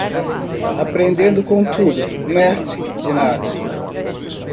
Aprendendo com tudo, mestre de nada.